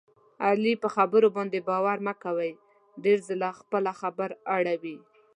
د علي په خبرو باندې باور مه کوئ. ډېر زر خپله ژبه اړوي.